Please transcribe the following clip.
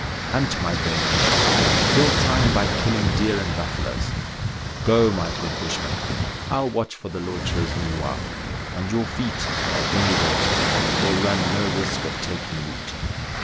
Hunt, my brave hunter ! kill time by killing deer and buffaloes ! Go, my good bush man ; I'll watch for the loiterers meanwhile, and j^ourfeet, at any rate, will run no risk of taking root."